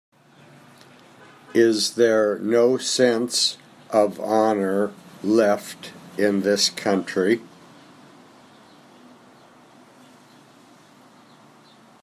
Is there no sense of honor left in this country?